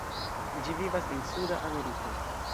Ĝi vivas en Suda Ameriko.